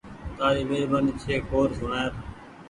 تآري مهربآني ڇي ڪوڊ سوڻآئي۔